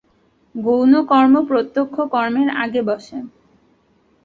গৌণ কর্ম প্রত্যক্ষ কর্মের আগে বসে।